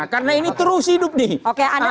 karena ini terus hidup nih